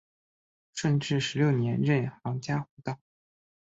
顺治十六年任杭嘉湖道。